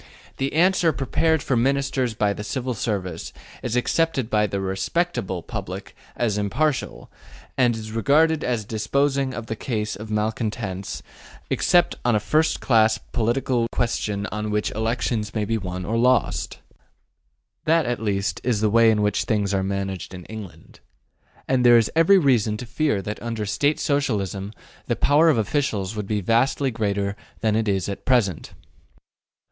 The answer prepared for Ministers by the Civil Service is accepted by the ``respectable'' public as impartial, and is regarded as disposing of the case of malcontents except on a first class political question on which elections may be won or lost. That at least is the way in which things are managed in England. And there is every reason to fear that under State Socialism the power of officials would be vastly greater than it is at present.